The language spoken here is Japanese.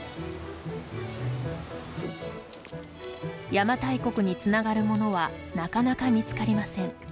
邪馬台国につながるものはなかなか見つかりません。